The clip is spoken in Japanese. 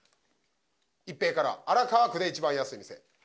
一平から「荒川区で１番安い店」